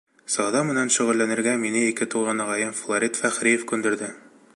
Сауҙа менән шөғөлләнергә мине ике туған ағайым Фларит Фәхриев күндерҙе.